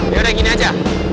yaudah gini aja